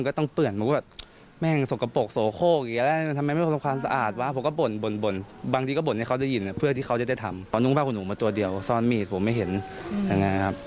คุณพระขุนุ้งมันตัวเดี่ยวซ่อนมีดผมไม่เห็นครับ